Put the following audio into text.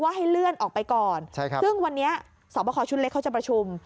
ให้เลื่อนออกไปก่อนซึ่งวันนี้สอบประคอชุดเล็กเขาจะประชุม